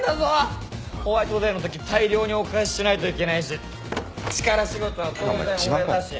ホワイトデーのとき大量にお返ししないといけないし力仕事は当然俺だし。